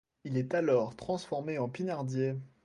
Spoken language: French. Il est alors transformé en pinardier.